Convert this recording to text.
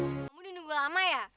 kamu udah nunggu lama ya